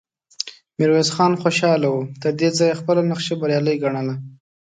ميرويس خان خوشاله و، تر دې ځايه يې خپله نخشه بريالی ګڼله،